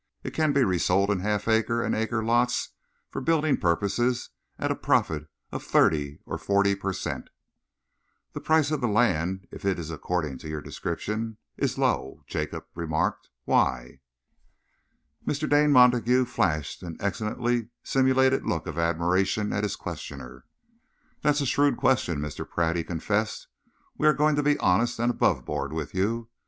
It can be resold in half acre and acre lots for building purposes at a profit of thirty or forty per cent." "The price of the land, if it is according to your description, is low," Jacob remarked. "Why?" Mr. Dane Montague flashed an excellently simulated look of admiration at his questioner. "That's a shrewd question, Mr. Pratt," he confessed. "We are going to be honest and aboveboard with you.